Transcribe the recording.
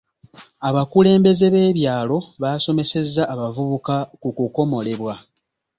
Abakulembeze b'ebyalo baasomesezza abavubuka ku kukomolebwa.